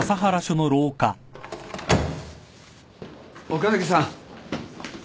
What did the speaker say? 岡崎さん。